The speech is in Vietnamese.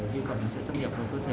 vi khuẩn sẽ xâm nhập vào cơ thể